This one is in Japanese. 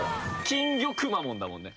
金魚くまモンだもんね